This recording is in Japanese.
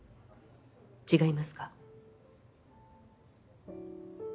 違いますか？